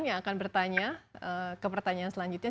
yang akan bertanya ke pertanyaan selanjutnya